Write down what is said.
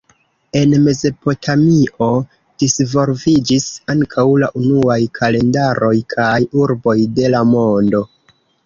En Mezopotamio disvolviĝis ankaŭ la unuaj kalendaroj kaj urboj de la mondo.